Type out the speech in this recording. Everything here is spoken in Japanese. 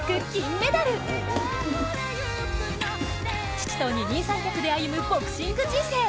父と二人三脚で歩むボクシング人生。